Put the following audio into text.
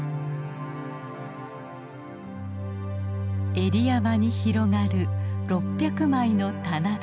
江里山に広がる６００枚の棚田。